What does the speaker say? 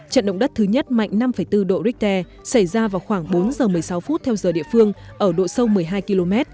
trận động đất thứ nhất mạnh năm bốn độ richter xảy ra vào khoảng bốn giờ một mươi sáu phút theo giờ địa phương ở độ sâu một mươi hai km